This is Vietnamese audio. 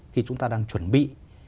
thì chúng ta đang chuẩn bị